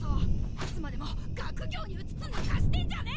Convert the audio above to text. いつまでも学業に現抜かしてんじゃね！